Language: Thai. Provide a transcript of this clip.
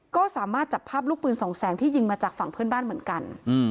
ก็สามารถจับภาพลูกปืนสองแสงที่ยิงมาจากฝั่งเพื่อนบ้านเหมือนกัน